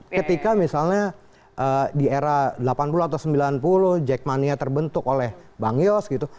ketika misalnya di era delapan puluh atau sembilan puluh jackmania terbentuk oleh bang yos gitu